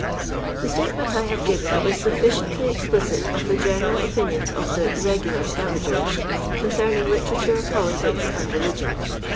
The statement I have given is sufficiently ex plicit of the general opinions of the "regular •cavagerg" concerning literature, politics, and religion.